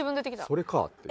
「それか」っていう。